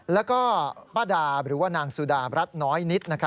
แล้วก็ป้าดาหรือว่านางสุดารัฐน้อยนิด